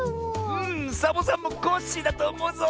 うんサボさんもコッシーだとおもうぞ！